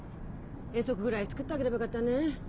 遠足ぐらい作ってあげればよかったねえ。